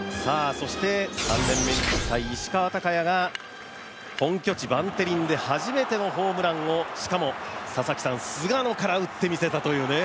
そして、３年目、石川昂弥が本拠地・バンテリンで初めてのホームランを、そして菅野から打ってみせたというね。